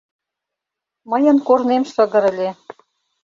Мыйын корнем шыгыр ыле...